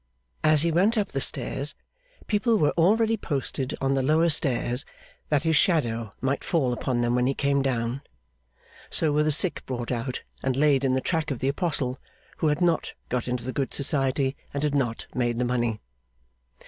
As he went up the stairs, people were already posted on the lower stairs, that his shadow might fall upon them when he came down. So were the sick brought out and laid in the track of the Apostle who had not got into the good society, and had not made the money.